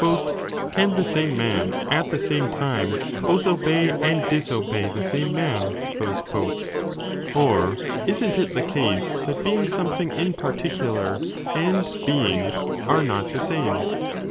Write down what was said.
Can the same man at the same time both obey and disobey the same man ? Or isn t it the case that being something in particu lar and Being are not the same